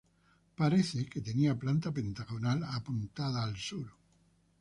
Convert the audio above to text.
Parece que tenía planta pentagonal, apuntada al sur.